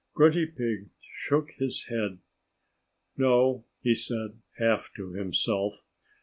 Grunty Pig shook his head. "No!" he said, half to himself.